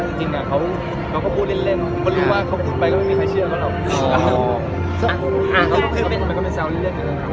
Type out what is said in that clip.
คนลูกว่าเขาลุขไปก็ไม่มีใครเชื่อเหรอ